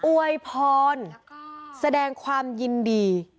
วยพรแสดงความยินดี